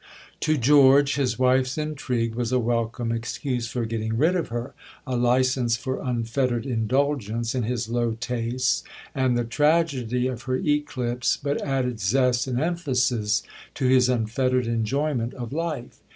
To George his wife's intrigue was a welcome excuse for getting rid of her a licence for unfettered indulgence in his low tastes; and the tragedy of her eclipse but added zest and emphasis to his unfettered enjoyment of life.